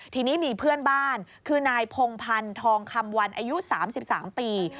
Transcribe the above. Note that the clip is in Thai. ทีนี้มีเพื่อนบ้านคือนายพงพันธ์ทองคำวันอายุ๓๓ปี